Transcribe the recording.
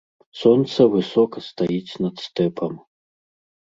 Сонца высока стаіць над стэпам.